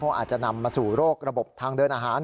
อาจจะนำมาสู่โรคระบบทางเดินอาหาร